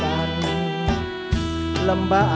จริง